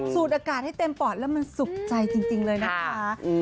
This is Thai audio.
อากาศให้เต็มปอดแล้วมันสุขใจจริงเลยนะคะ